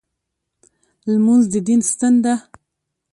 لمونځ د دین ستن ده.